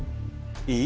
いい？